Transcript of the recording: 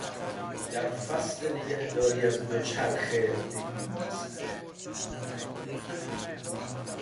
در فصل نگهداری از دوچرخه به این مساله خواهیم پرداخت.